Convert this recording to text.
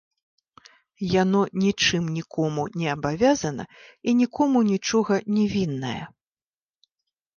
Яно нічым нікому не абавязана і нікому нічога не вінная.